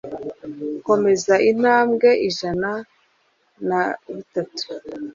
Komeza intambwe Ijana na Bitatu